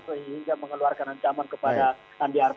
sehingga mengeluarkan ancaman kepada andi arief